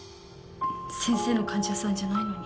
先生の患者さんじゃないのに。